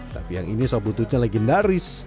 tapi yang ini sop buntutnya legendaris